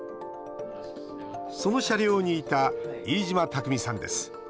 その車両にいた飯嶋琢己さんです。